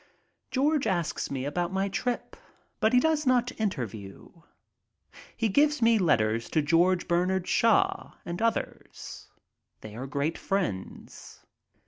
George asks me about my trip, but he does not interview. He gives me letters to George Bernard Shaw and others. They are great friends.